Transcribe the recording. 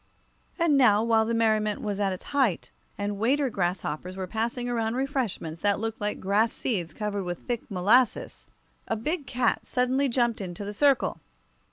And now, while the merriment was at its height, and waiter grasshoppers were passing around refreshments that looked like grass seeds covered with thick molasses, a big cat suddenly jumped into the circle.